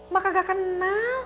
mak gak kenal